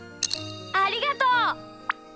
ありがとう！